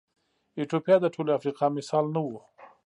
ایتوپیا د ټولې افریقا مثال نه و.